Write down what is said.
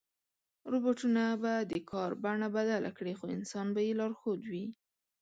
روباټونه به د کار بڼه بدله کړي، خو انسان به یې لارښود وي.